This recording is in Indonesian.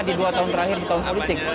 di dua tahun terakhir di tahun politik